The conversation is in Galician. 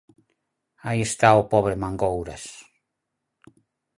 Aí está o pobre Mangouras.